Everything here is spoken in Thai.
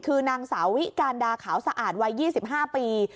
คือนางสาววิการดาขาวสะอาดวัย๒๕ปี